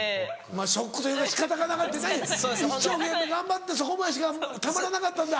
まぁショックというか仕方がなかってんな。一生懸命頑張ってそこまでしかたまらなかったんだ。